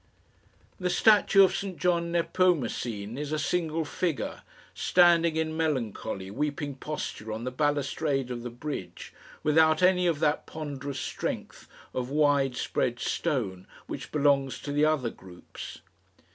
The statue of St John Nepomucene is a single figure, standing in melancholy weeping posture on the balustrade of the bridge, without any of that ponderous strength of wide spread stone which belongs to the other groups.